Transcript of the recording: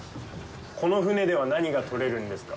この船では何がとれるんですか？